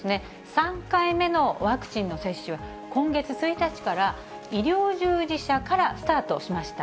３回目のワクチンの接種は、今月１日から医療従事者からスタートしました。